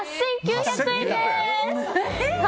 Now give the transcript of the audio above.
８９００円です。